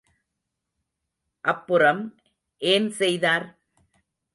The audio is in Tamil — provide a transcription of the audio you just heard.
அப்புறம் ஏன் செய்தார்?